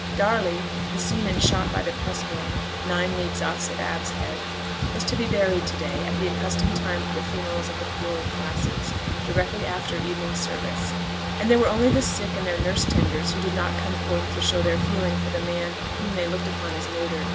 Darley, the seaman shot by the press gang, nine leagues off St. Abb's Head, was to be buried to day, at the accustomed time for the funerals of the poorer classes, directly after evening service, and there were only the sick and their nurse tenders who did not come forth to show their feeling for the man whom they looked upon as murdered.